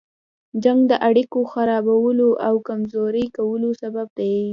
جنګ د اړيکو خرابولو او کمزوري کولو سبب دی.